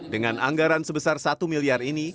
dengan anggaran sebesar rp satu ini